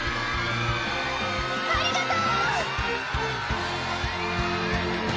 ありがとう！